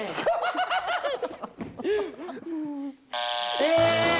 え